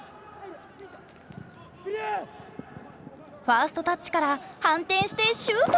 ファーストタッチから反転してシュート。